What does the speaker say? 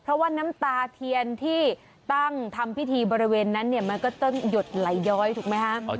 เพราะว่าน้ำตาเทียนที่ตั้งทำพิธีบริเวณนั้นเนี่ยมันก็จะหยดไหลแย้งนะครับ